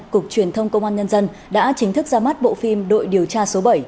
cục truyền thông công an nhân dân đã chính thức ra mắt bộ phim đội điều tra số bảy